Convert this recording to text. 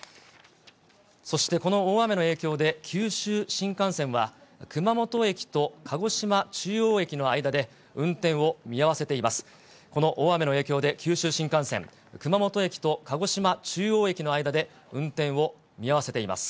そしてこの大雨の影響で、九州新幹線は、熊本駅と鹿児島中央駅の間で運転を見合わせています。